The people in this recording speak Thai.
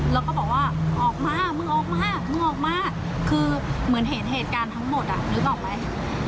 เราก็บอกว่าออกมามึงออกมาคือเหมือนเหตุการณ์ทั้งหมดนึกออกไหม